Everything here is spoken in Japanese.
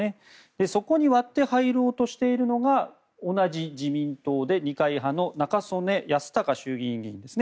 そこに割って入ろうとしているのが同じ自民党で二階派の中曽根康隆衆院議員ですね。